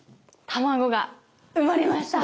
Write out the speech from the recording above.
卵が生まれました！